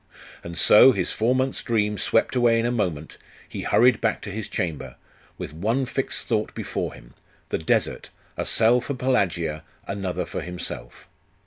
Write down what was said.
And so, his four months' dream swept away in a moment, he hurried back to his chamber, with one fixed thought before him the desert; a cell for Pelagia; another for himself.